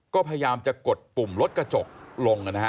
ก็พยายามจะกดปุ่มรถกระจกลงนะฮะ